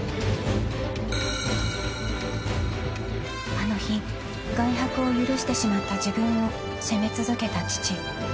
［あの日外泊を許してしまった自分を責め続けた父］